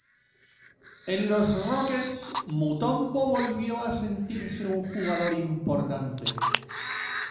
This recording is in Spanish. En los Rockets, Mutombo volvió a sentirse un jugador importante.